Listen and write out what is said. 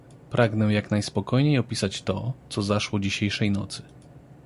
"Pragnę jak najspokojniej opisać to, co zaszło dzisiejszej nocy."